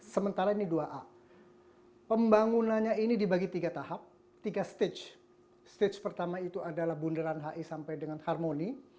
sementara ini dua a pembangunannya ini dibagi tiga tahap tiga stage stage pertama itu adalah bundaran hi sampai dengan harmoni